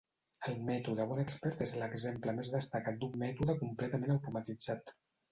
El mètode BoneXpert és l'exemple més destacat d'un mètode completament automatitzat.